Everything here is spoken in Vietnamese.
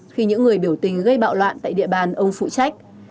khi những người biểu tình gây bạo loạn tại địa bàn ông phụ trách